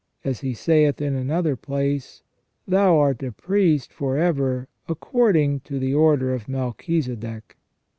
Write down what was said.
As He saith in another place : Thou art a priest for ever according to the order of Melchisedec."